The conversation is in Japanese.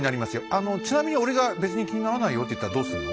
あのちなみに俺が「別に気にならないよ」と言ったらどうすんの？